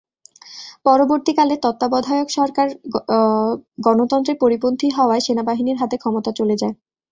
পরবর্তীকালে তত্ত্বাবধায়ক সরকার গণতন্ত্রের পরিপন্থী হওয়ায় সেনাবাহিনীর হাতে ক্ষমতা চলে যায়।